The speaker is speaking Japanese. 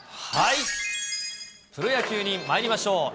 プロ野球にまいりましょう。